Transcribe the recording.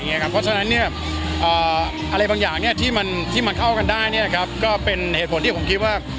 เพราะฉะนั้นอะไรบางอย่างที่มันเข้ากันได้ก็เป็นเหตุผลที่ผมคิดว่า